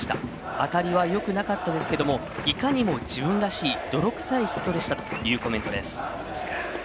当たりはよくなかったですけどいかにも、自分らしい泥臭いヒットでしたというコメントです。